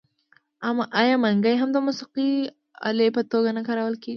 آیا منګی هم د موسیقۍ الې په توګه نه کارول کیږي؟